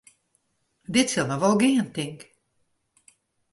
Dit sil noch wol gean, tink.